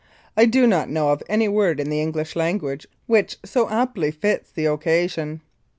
I do not know of any word in the English language which so aptly fits the occasion.